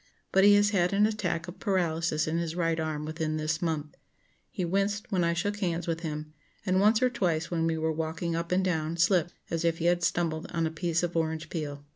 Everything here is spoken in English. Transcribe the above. But he has had an attack of paralysis in his right arm within this month. He winced when I shook hands with him, and once or twice when we were walking up and down slipped as if he had stumbled on a piece of orange peel.